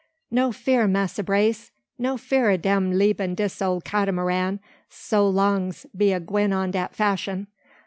"No fear, Massa Brace, no fear o' dem leabin dis ole Cat'maran, so long's de be a gwine on dat fashion.